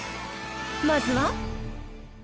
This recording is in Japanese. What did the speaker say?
まずは。